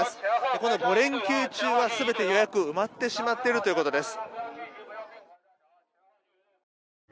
この５連休中は全て予約が埋まってしまっているということです。